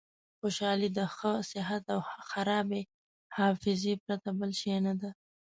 خوشحالي د ښه صحت او خرابې حافظې پرته بل شی نه ده.